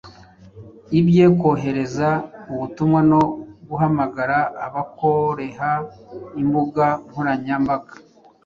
Uibye kohereza ubutumwa no guhamagara, abakoreha imbuga nkoranya mbaga